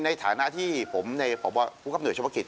ในฐานะที่ผมในพบภูกรัพย์เหนือชมพกิจ